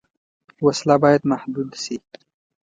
وسله باید محدود شي